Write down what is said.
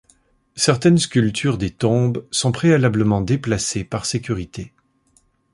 Certaines sculptures des tombes sont préalablement déplacées par sécurité.